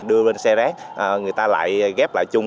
đưa lên xe rác người ta lại ghép lại chung